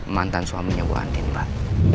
mantan suaminya bu andien pak